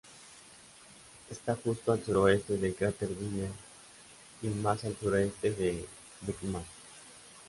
Está justo al suroeste del cráter Wiener, y más al sureste de Bridgman.